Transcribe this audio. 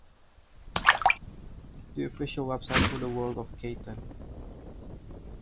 The official website for the world of Catan.